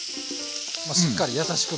しっかり優しく。